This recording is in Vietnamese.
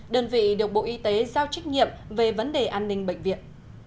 đơn vị được bộ y tế giao trách nhiệm về vấn đề an ninh bệnh viện